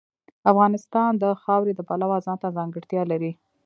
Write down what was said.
افغانستان د خاوره د پلوه ځانته ځانګړتیا لري.